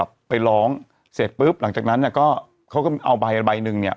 บอกว่างานเขายุ่ง